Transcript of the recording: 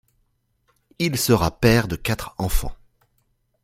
Il sera père de quatre enfants.